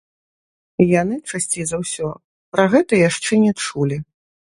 Яны, часцей за ўсё, пра гэта яшчэ не чулі.